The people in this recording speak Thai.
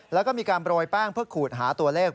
แล้วก็มีการโปรยแป้งเพื่อขูดหาตัวเลข